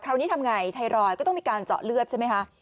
คราวนี้ทำไงไทรอยด์ก็ต้องมีการเจาะเลือดใช่ไหมคะ